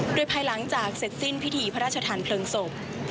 ด้วยพายล้างจากเสร็จสิ้นพิถีพระราชทัลเพลิงศพ